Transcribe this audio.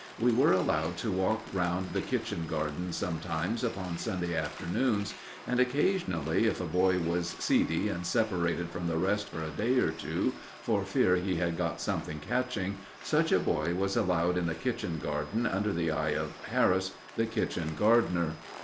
We were allowed to walk round the kitchen garden sometimes upon Sunday afternoons, and, occasionally, if a boy was seedy and separated from the rest for a day or two, for fear he had got something catching, such a boy was allowed in the kitchen garden under the eye of Harris, the kitchen gardener.